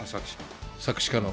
作詞家の。